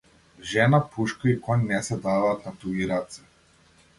Жена, пушка и коњ не се даваат на туѓи раце.